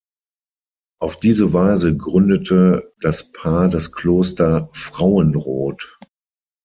Auf diese Weise gründete das Paar das Kloster Frauenroth.